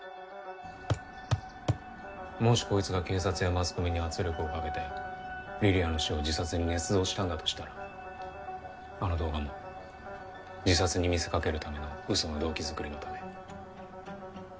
もしこいつが警察やマスコミに圧力をかけて梨里杏の死を自殺に捏造したんだとしたらあの動画も自殺に見せかけるための嘘の動機作りのため。